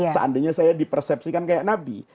seandainya saya di persepsikan kayak nabi